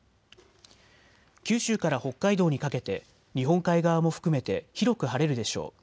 九州から北海道にかけて日本海側も含めて広く晴れるでしょう。